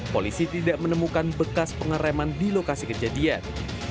polisi tidak menemukan bekas pengereman di lokasi kejadian